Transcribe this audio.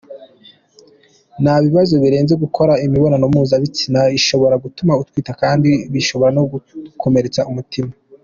Nta bibazo birenze gukora imibonano mpuzabitsina ishobora gutuma utwita, kandi bishobora no kugukomeretsa umutima.